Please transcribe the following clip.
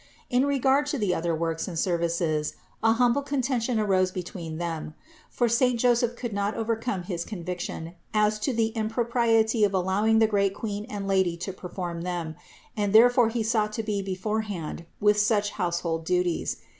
In regard to the other works and services, an humble contention arose between them. For saint Joseph could not overcome his conviction as to the impropriety of allowing the great Queen and Lady to perform them, and therefore he sought to be before hand with such household duties.